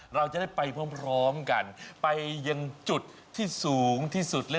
เราจะได้ไปพร้อมกันไปยังจุดที่สูงที่สุด